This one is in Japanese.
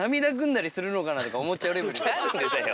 何でだよ！